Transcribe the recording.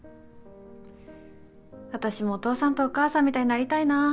私もお父さんとお母さんみたいになりたいな。